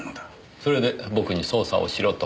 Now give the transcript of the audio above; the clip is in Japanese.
それで僕に捜査をしろと。